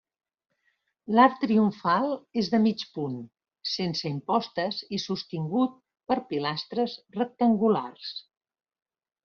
L'arc triomfal és de mig punt, sense impostes i sostingut per pilastres rectangulars.